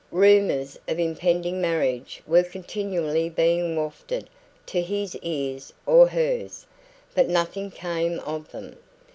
Rumours of impending marriage were continually being wafted to his ears or hers, but nothing came of them.